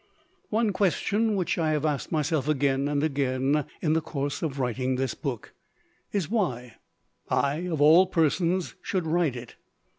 One question which I have asked myself again and again, in the course of writing this book, is why I of all persons should write it.